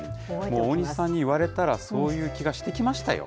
大西さんに言われたらそういう気がしてきましたよ。